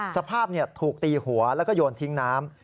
สภาพถูกตีหัวแล้วก็โยนทิ้งน้ำ